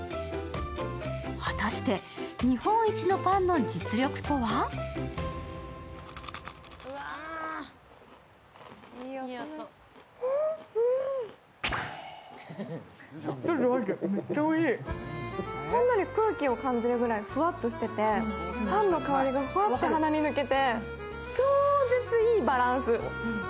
果たして、日本一のパンの実力とは？ほんのり空気を感じるぐらいフワッとしてて、パンの香りがふわって鼻に抜けて、超絶いいバランス。